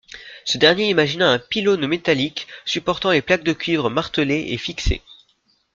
Ce dernier imagina un pylône métallique supportant les plaques de cuivre martelées et fixées.